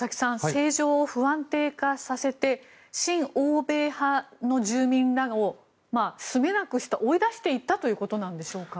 政情を不安定化させて親欧米派の住民らを追い出していったということなんでしょうか。